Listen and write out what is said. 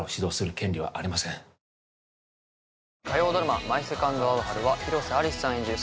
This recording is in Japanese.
「マイ・セカンド・アオハル」は広瀬アリスさん演じる